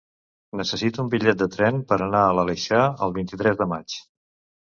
Necessito un bitllet de tren per anar a l'Aleixar el vint-i-tres de maig.